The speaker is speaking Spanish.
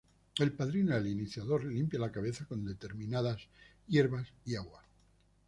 El padrino del iniciador limpia la cabeza con determinadas hierbas y agua.